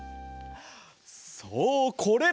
そうこれ！